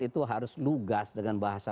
itu harus lugas dengan bahasa